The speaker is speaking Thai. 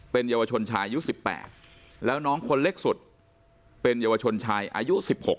เป็นเยาวชนชายอายุ๑๘แล้วน้องคนเล็กสุดเป็นเยาวชนชายอายุ๑๖